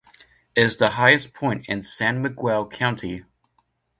It is the highest point in San Miguel County.